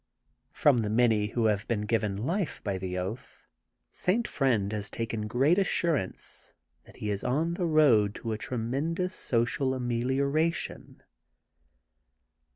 From the many who have been given life by the oath, St. Friend has taken great assurance that he is on the road to a tremendous sociaramelioration.